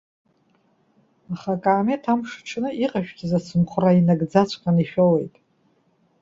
Аха акаамеҭ амш аҽны иҟашәҵаз ацымхәра инагӡаҵәҟьаны ишәоуеит.